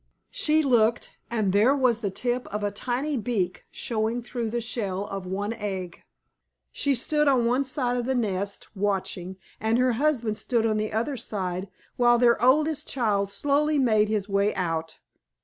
She looked, and there was the tip of a tiny beak showing through the shell of one egg. She stood on one side of the nest, watching, and her husband stood on the other while their oldest child slowly made his way out.